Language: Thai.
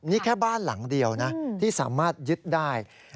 นี่แค่บ้านหลังเดียวนะที่สามารถยึดได้